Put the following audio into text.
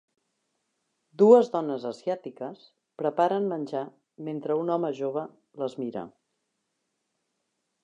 Dues dones asiàtiques preparen menjar mentre un home jove les mira.